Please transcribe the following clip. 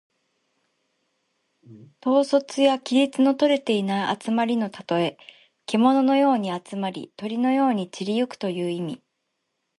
統率や規律のとれていない集まりのたとえ。けもののように集まり、鳥のように散り行くという意味。